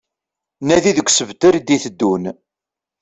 Nadi deg usebter d-iteddun